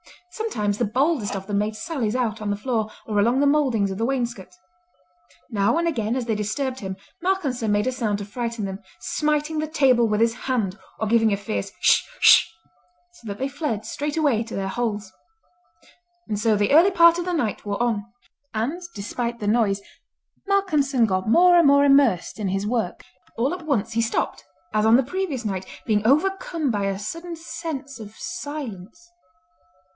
Sometimes the boldest of them made sallies out on the floor or along the mouldings of the wainscot. Now and again as they disturbed him Malcolmson made a sound to frighten them, smiting the table with his hand or giving a fierce "Hsh, hsh," so that they fled straightway to their holes. And so the early part of the night wore on; and despite the noise Malcolmson got more and more immersed in his work. All at once he stopped, as on the previous night, being overcome by a sudden sense of silence.